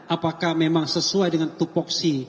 apakah memang sesuai dengan tupoksi